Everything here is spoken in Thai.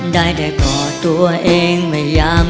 ได้แต่กอดตัวเองไม่อยากกลับไป